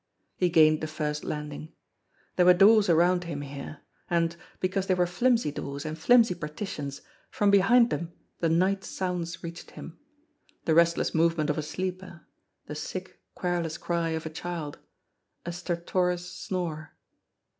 He gained the first landing. There were doors around him here, and, because they were flimsy doors and flimsy par titions, from behind them the night sounds reached him the restless movement of a sleeper, the sick, querulous cry of a child, a stertorous snore.